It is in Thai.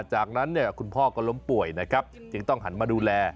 จากนั้นคุณพ่อก็ล้มป่วยนะครับต้องทำหนมาดูแล